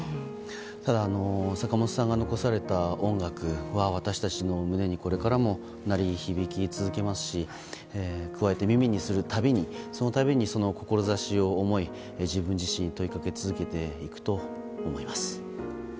ただ、坂本さんが残された音楽は私たちの胸にこれからも鳴り響き続けますし加えて、耳にするたびにそのたびにその志を思い自分自身に問いかけ続けていくと思います。